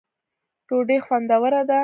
ډوډۍ خوندوره ده.